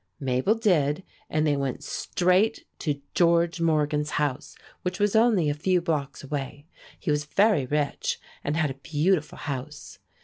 Mabel did, and they went straight to George Morgan's house, which was only a few blocks away. He was very rich and had a beautiful house.